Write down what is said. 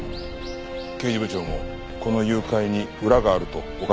刑事部長もこの誘拐に裏があるとお考えですか？